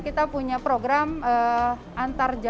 ya kita punya program untuk perkembangan perizinan